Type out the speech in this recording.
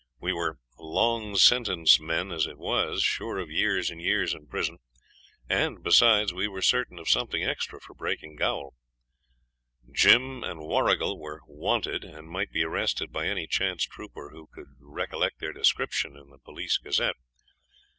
We were 'long sentence men' as it was, sure of years and years in prison; and, besides, we were certain of something extra for breaking gaol. Jim and Warrigal were 'wanted', and might be arrested by any chance trooper who could recollect their description in the 'Police Gazette'.